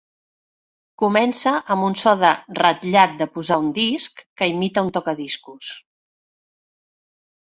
Comença amb un so de "ratllat de posar un disc" que imita un tocadiscos.